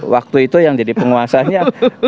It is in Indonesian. waktu itu yang jadi penguasanya